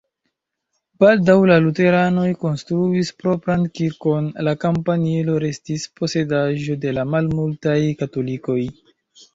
Baldaŭ la luteranoj konstruis propran kirkon, la kampanilo restis posedaĵo de la malmultaj katolikoj.